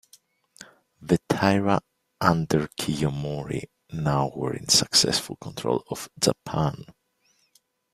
The Taira under Kiyomori now were in successful control of Japan.